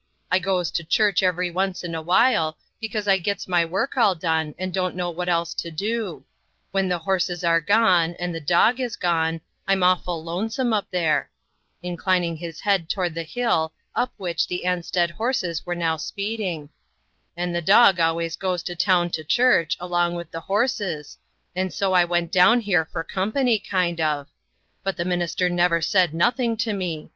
"I goes to church every once in a while, because I gets my work all done, and don't know what else to do. When the horses are gone, and the dog is gone, I'm awful lonesome up there," inclining his head to ward the hill up which the Ansted horses were now speeding, "and the dog alwayi 235 236 INTERRUPTED. goes to town to church, along with the horses, and so I went down here for com pany kind of ; but the minister never said nothing to me.